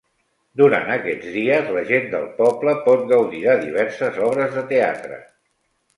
Durant aquests dies, la gent del poble pot gaudir de diverses obres de teatre.